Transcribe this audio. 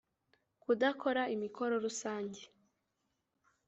kudakora imikoro rusange